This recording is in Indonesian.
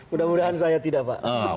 mudah mudahan saya tidak pak